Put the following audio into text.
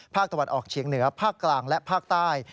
ภาคตะวันออกเฉียงเหนือภาคกลางและภาคใต้